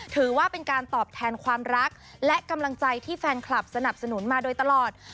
ถือว่าเป็นการตอบแทนความรักและกำลังใจที่แฟนคลับสนับสนุนมาโดยตลอด